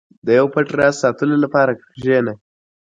• د یو پټ راز ساتلو لپاره کښېنه.